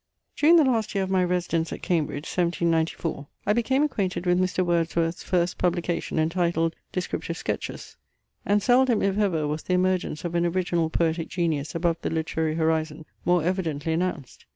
During the last year of my residence at Cambridge, 1794, I became acquainted with Mr. Wordsworth's first publication entitled Descriptive Sketches; and seldom, if ever, was the emergence of an original poetic genius above the literary horizon more evidently announced.